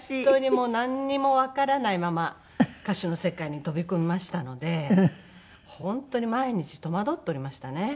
もうなんにもわからないまま歌手の世界に飛び込みましたので本当に毎日戸惑っておりましたね。